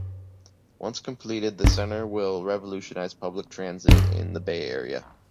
Once completed, the Center will revolutionize public transit in the Bay Area.